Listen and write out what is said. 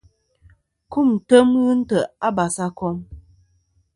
Kumtem ghɨ ntè' a basakom.